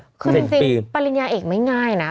คือจริงปริญญาเอกไม่ง่ายนะ